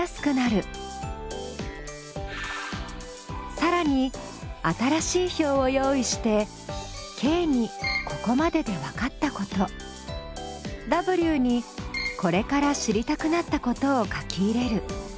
さらに新しい表を用意してＫにここまででわかったことＷにこれから知りたくなったことを書き入れる。